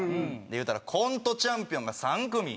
言うたらコントチャンピオンが３組。